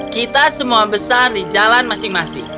kita semua besar di jalan masing masing